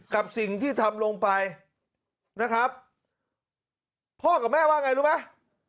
กับสิ่งที่ทำลงไปนะครับพ่อกับแม่ว่าไงรู้ไหม